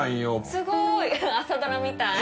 すごい！「朝ドラ」みたい。